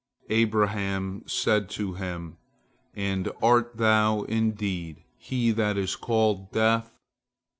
Abraham said to him, "And art thou, indeed, he that is called Death?"